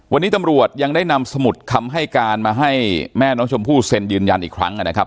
วันนี้ตำรวจยังได้นำสมุดคำให้การมาให้แม่น้องชมพู่เซ็นยืนยันอีกครั้งนะครับ